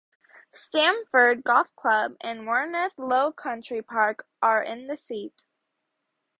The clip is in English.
Stamford Golf Club and Werneth Low Country Park are in the seat.